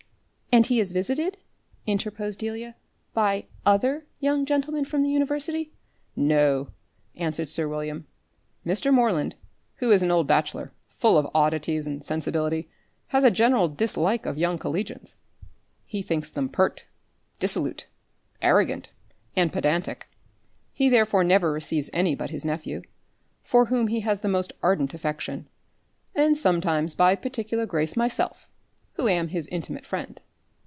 "And he is visited" interposed Delia, "by other young gentlemen from the university?" "No," answered sir William. "Mr. Moreland, who is an old batchelor, full of oddities and sensibility, has a general dislike of young collegians. He thinks them pert, dissolute, arrogant, and pedantic. He therefore never receives any but his nephew, for whom he has the most ardent affection, and sometimes by particular grace myself who am his intimate friend."